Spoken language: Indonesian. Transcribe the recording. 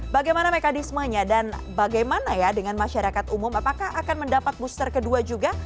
bagaimana mekanismenya dan bagaimana ya dengan masyarakat umum apakah akan mendapat booster kedua juga